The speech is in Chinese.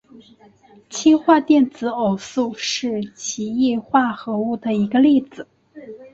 氢化电子偶素是奇异化合物的一个例子。